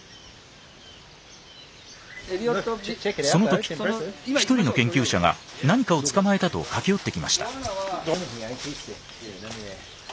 その時１人の研究者が何かを捕まえたと駆け寄ってきました。